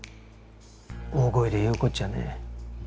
大声で言うことじゃねえ。